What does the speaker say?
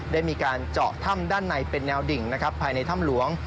ได้มีการเจาะถ้ำด้านในเป็นแนวดิ่งนะครับภายในถ้ำหลวง